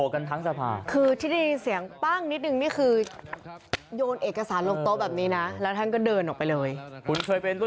ขอบคุณครับสวัสดีครับ